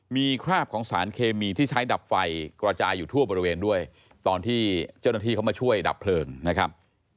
มีคราบของสารเคมีที่ใช้ดับไฟกระจายอยู่ทั่วบริเวณด้วยตอนที่เจ้าหน้าที่เขามาช่วยดับเพลิงนะครับ